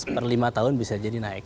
per lima tahun bisa jadi naik